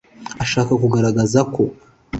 ashaka kugaragaza ko